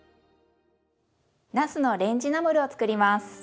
なすのレンジナムルを作ります。